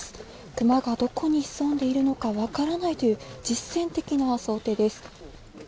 クマがどこに潜んでいるのか分からないという実践的な想定です。